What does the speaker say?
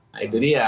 nah itu dia